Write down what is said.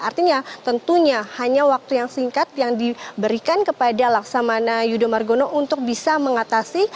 artinya tentunya hanya waktu yang singkat yang diberikan kepada laksamana yudho margono untuk bisa mengatasi